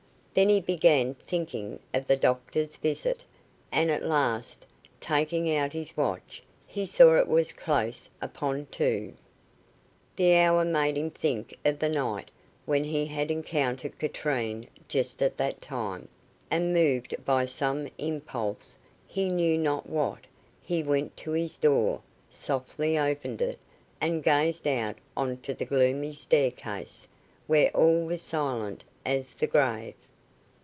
Then he began thinking of the doctor's visit, and at last, taking out his watch, he saw it was close upon two. The hour made him think of the night when he had encountered Katrine just at that time, and moved by some impulse, he knew not what, he went to his door, softly opened it, and gazed out on to the gloomy staircase, where all was silent as the grave.